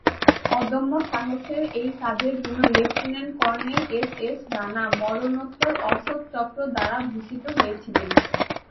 অদম্য সাহসের এই কাজের জন্য লেঃ কর্নেল এসএস রানা মরণোত্তর অশোক চক্র দ্বারা ভূষিত হয়েছিলেন।